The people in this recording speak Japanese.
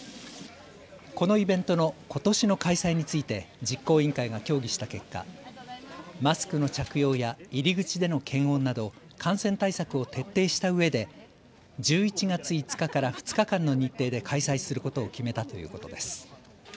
このイベントのことしの開催について実行委員会が協議した結果、マスクの着用や入り口での検温など感染対策を徹底したうえで１１月５日から２日間の日程で開催することを決めたということです。